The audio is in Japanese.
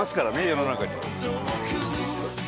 世の中には。